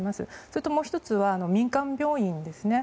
それと、もう１つは民間病院ですね。